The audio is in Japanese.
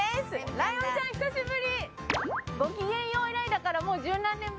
ライオンちゃん、久しぶり！